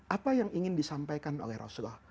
apa yang ingin disampaikan oleh rasulullah